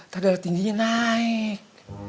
tadalah tingginya naik